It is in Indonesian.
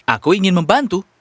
aku ingin membantu